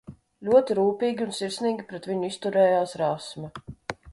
Ļoti rūpīgi un sirsnīgi pret viņu izturējās Rasma.